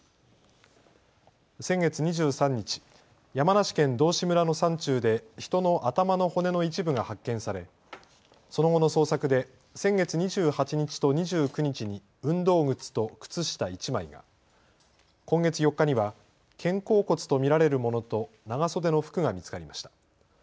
先月２３日、山梨県道志村の山中で人の頭の骨の一部が発見されその後の捜索で先月２８日と２９日に運動靴と靴下１枚が、今月４日には肩甲骨と見られるものと長袖の服が見つかりました。